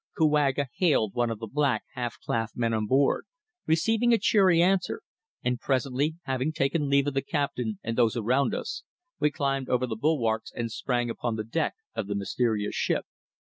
Kouaga hailed one of the black, half clad men on board, receiving a cheery answer, and presently, having taken leave of the captain and those around us, we climbed over the bulwarks and sprang upon the deck of the mysterious ship.